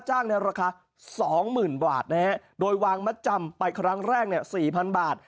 จ้างราคา๒๐๐๐๐บาทโดยวางมาจำไปครั้งแรก๔๐๐๐บาท